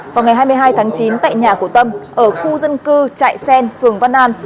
vào ngày hai mươi hai tháng chín tại nhà của tâm ở khu dân cư trại sen phường văn an